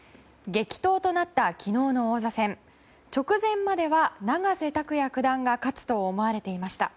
激闘となった昨日の王座戦直前までは永瀬拓矢九段が勝つと思われていました。